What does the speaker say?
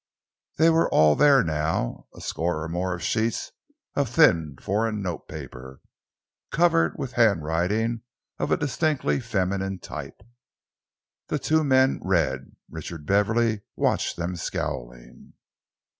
They were all there now, a score or more of sheets of thin foreign note paper, covered with hand writing of a distinctly feminine type. The two men read Richard Beverley watched them scowling!